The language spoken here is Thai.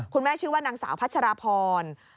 คุณแม่ชื่อว่านางสาวพัชรพร